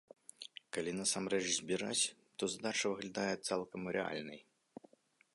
Калі насамрэч збіраць, то задача выглядае цалкам рэальнай.